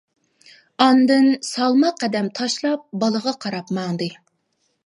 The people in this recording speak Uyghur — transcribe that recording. ئاندىن سالماق قەدەم تاشلاپ بالىغا قاراپ ماڭدى.